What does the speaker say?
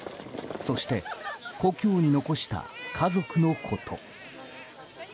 そして故郷に残した家族のこと。